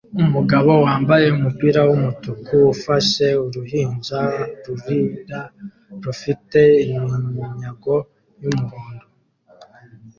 Umugabo wambaye umupira wumutuku ufashe uruhinja rurira rufite iminyago yumuhondo